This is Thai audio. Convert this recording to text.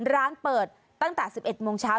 ร้านเปิดตั้งแต่๑๑โมงเช้า